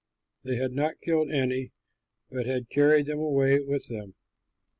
They had not killed any but had carried them away with them.